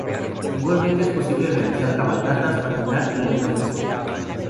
Igualmente es posible realizar cabalgatas, patinar y montar en bicicleta.